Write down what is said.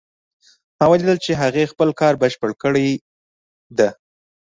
ما ولیدل چې هغې خپل کار بشپړ کړی ده